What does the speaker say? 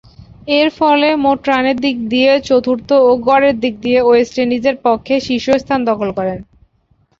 এরফলে মোট রানের দিক দিয়ে চতুর্থ ও গড়ের দিক দিয়ে ওয়েস্ট ইন্ডিজের পক্ষে শীর্ষস্থান দখল করেন।